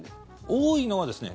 多いのはですね